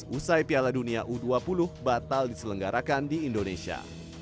usai piala dunia u dua puluh batal diselenggarakan di indonesia